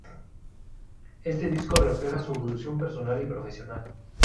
Este disco refleja su evolución personal y profesional.